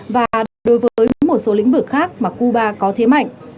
và đối với một số lĩnh vực khác mà cuba có thế mạnh